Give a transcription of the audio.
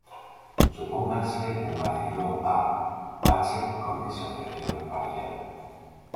Supóngase un ácido "A"H con disociación parcial.